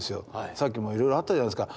さっきもいろいろあったじゃないですか。